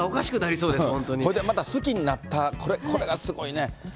そしてまた好きになった、これがすごいね。